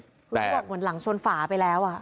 บอกเหมือนหลังชวนฝาไปแล้ว